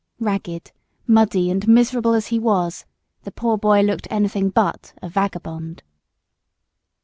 Ragged, muddy, and miserable as he was, the poor boy looked anything but a "vagabond."